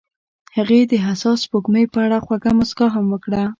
هغې د حساس سپوږمۍ په اړه خوږه موسکا هم وکړه.